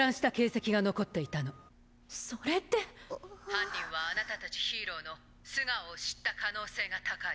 「犯人はあなたたちヒーローの素顔を知った可能性が高い」。